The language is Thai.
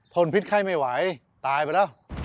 นพิษไข้ไม่ไหวตายไปแล้ว